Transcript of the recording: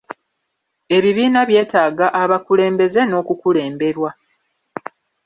Ebibiina byetaaga abakulembeze n’okukulemberwa.